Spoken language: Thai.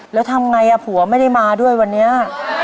แล้วทำไงผัวไม่ได้มาด้วยวันนี้